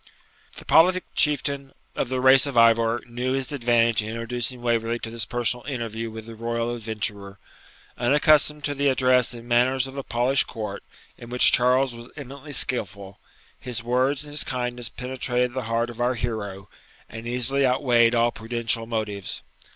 The politic Chieftain of the race of Ivor knew his advantage in introducing Waverley to this personal interview with the royal adventurer. Unaccustomed to the address and manners of a polished court, in which Charles was eminently skilful, his words and his kindness penetrated the heart of our hero, and easily outweighed all prudential motives.